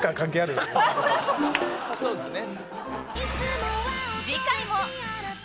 そうですよね。